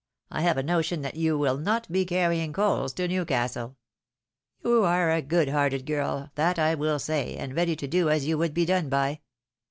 I have a notion that you wiU not be carrying coals to Newcastle. You are a good hearted girl, that I will say, and ready to do as you would be done by.